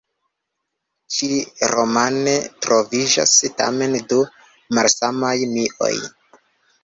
Ĉi-romane troviĝas tamen du malsamaj mioj.